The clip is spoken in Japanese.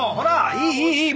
いいいいいい。